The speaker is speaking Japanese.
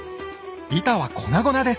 板は粉々です。